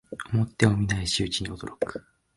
思ってもみない仕打ちに驚く